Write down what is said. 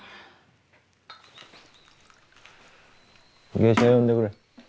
芸者呼んでくれ。